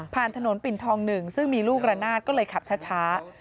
ถนนปิ่นทอง๑ซึ่งมีลูกระนาดก็เลยขับช้า